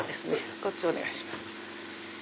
こっちお願いします。